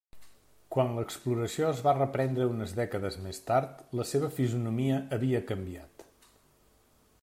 Quan l'exploració es va reprendre unes dècades més tard, la seva fisonomia havia canviat.